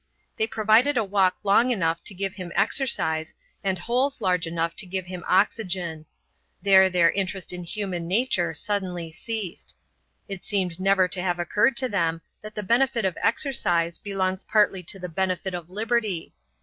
They provided a walk long enough to give him exercise and holes large enough to give him oxygen. There their interest in human nature suddenly ceased. It seemed never to have occurred to them that the benefit of exercise belongs partly to the benefit of liberty.